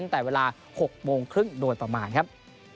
ตั้งแต่เวลา๖โมงครึ่งโดยประมาณครับ